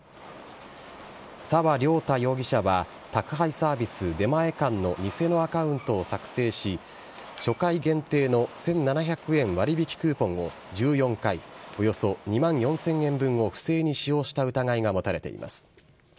沢涼太容疑者は、宅配サービス、出前館の偽のアカウントを作成し、初回限定の１７００円割引クーポンを１４回およそ２万４０００円分を不正に使用した疑いが持たれています。